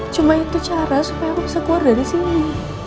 cuma itu cara supaya aku bisa keluar dari sini